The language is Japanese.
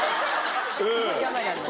すごい邪魔になります。